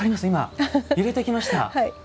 今揺れてきました！